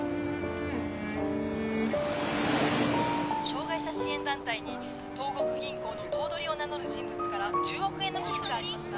障がい者支援団体に東国銀行の頭取を名乗る人物から１０億円の寄付がありました。